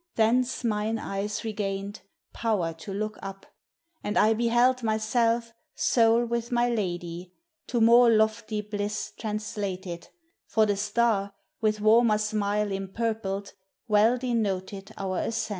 Thence mine eyes re gained Power to look up; and I beheld myself, Sole with my lady, to more lofty bliss Translated : for the star, with warmer smile Impurpled, well denoted our ascent.